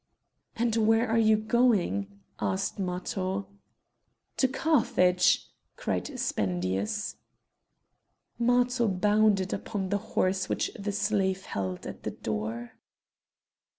"And where are you going?" asked Matho. "To Carthage!" cried Spendius. Matho bounded upon the horse which the slave held at the door.